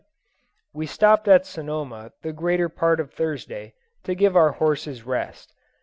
We stopped at Sonoma the greater part of Thursday, to give our horses rest.